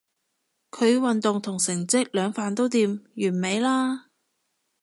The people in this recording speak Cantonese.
佢運動同成績兩瓣都掂，完美啦